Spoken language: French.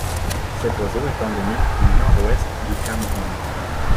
Cet oiseau est endémique du nord-ouest du Cameroun.